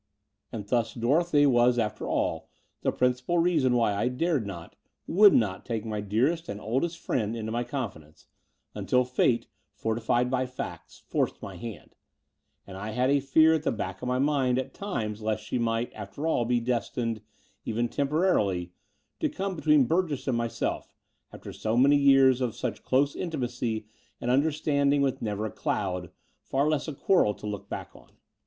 And thus Dorothy was after all the principal reason why I dared not, would not take my dearest ^ and oldest friend into my confidence, until Fate, fortified by facts, forced my hand: and I had a fear at the back of my mind at times lest she might, after all, be destined — even temporarily — ^to come between Burgess and myself after so many years of such dose intimacy and tmderstanding with never « doud, far less a quarrel, to look back on.